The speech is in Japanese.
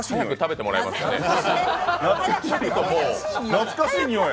懐かしいにおい。